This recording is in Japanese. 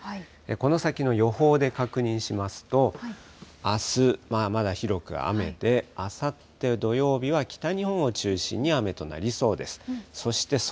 この先の予報で確認しますと、あす、まだ広く雨で、あさって土曜日は北日本を中心に雨となりそうです。